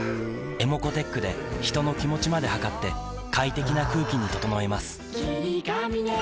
ｅｍｏｃｏーｔｅｃｈで人の気持ちまで測って快適な空気に整えます